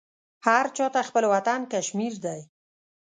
هر چا ته خپل وطن کشمیر دی.